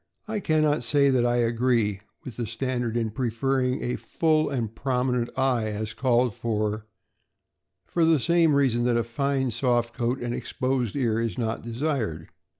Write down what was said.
I can not say that I agree with the standard in pref er ring a "lull and prominent " eye, as called for, for the same reason that a fine, soft coat and exposed ear is not desired.